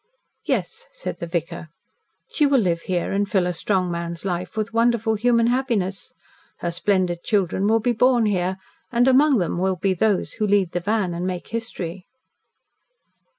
"Yes," said the vicar. "She will live here and fill a strong man's life with wonderful human happiness her splendid children will be born here, and among them will be those who lead the van and make history."